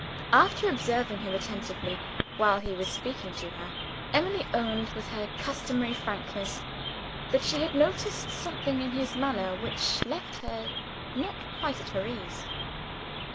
After observing him attentively, while he was speaking to her, Emily owned, with her customary frankness, that she had noticed something in his manner which left her not quite at her ease.